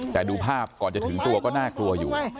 แต่ดูภาพก่อนจะถึงตัวก็น่ากลัวอยู่